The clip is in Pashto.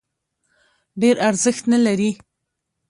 ډېر ارزښت نه لري.